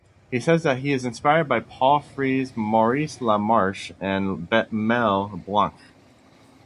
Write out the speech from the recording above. He says that he is inspired by Paul Frees, Maurice LaMarche, and Mel Blanc.